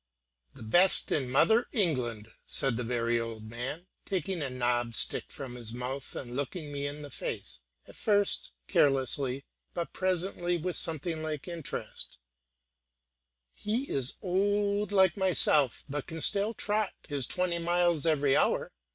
"The best in mother England," said the very old man, taking a knobbed stick from his mouth, and looking me in the face, at first carelessly, but presently with something like interest; "he is old like myself, but can still trot his twenty miles an hour.